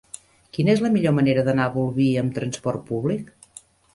Quina és la millor manera d'anar a Bolvir amb trasport públic?